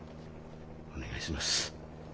お願いします。